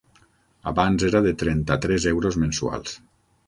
Abans era de trenta-tres euros mensuals.